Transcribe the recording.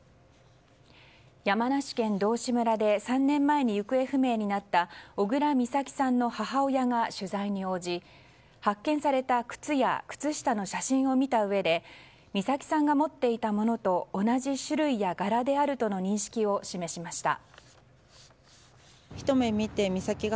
山梨県道志村で３年前に行方不明になった小倉美咲さんの母親が取材に応じ発見された靴や靴下の写真を見たうえで美咲さんが持っていたものと同じ種類や柄であるとの認識を示しました。